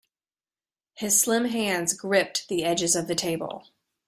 His slim hands gripped the edges of the table.